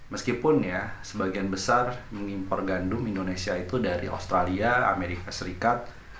meskipun ya sebagian besar mengimpor gandum indonesia itu dari australia amerika serikat